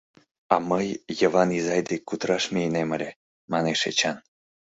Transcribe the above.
— А мый Йыван изай дек кутыраш мийынем ыле, — манеш Эчан.